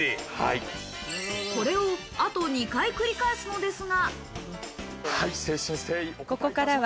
これをあと２回繰り返すのですが。